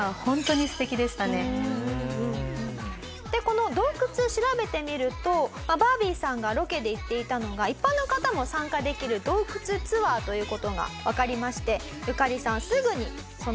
でこの洞窟調べてみるとバービーさんがロケで行っていたのが一般の方も参加できる洞窟ツアーという事がわかりまして。